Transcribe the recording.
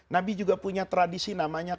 nabi juga punya tradisi namanya